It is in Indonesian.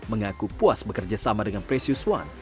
mengaku puas bekerja sama dengan presius one